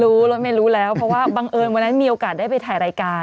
รถเมย์รู้แล้วเพราะว่าบังเอิญวันนั้นมีโอกาสได้ไปถ่ายรายการ